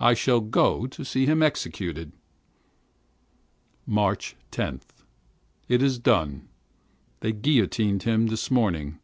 I shall go to see him executed! 10th March. It is done. They guillotined him this morning.